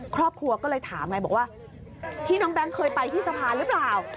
ครอบครัวก็เลยถามไงบอกว่าที่น้องแบงค์เคยไปที่สะพานหรือเปล่า